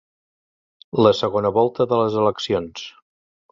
La segona volta de les eleccions.